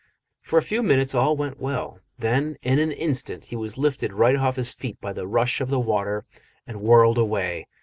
For a few minutes all went well. Then, in an instant, he was lifted right off his feet by the rush of the water and whirled away.